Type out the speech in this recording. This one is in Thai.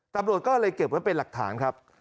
ตำรวจก็เลยเก็บไว้เป็นหลักฐานครับ